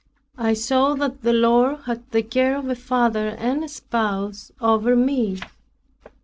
I saw that the Lord had the care of a father and a spouse over me.